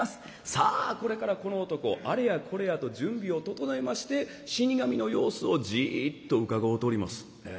さあこれからこの男あれやこれやと準備を整えまして死神の様子をじっとうかごうとります。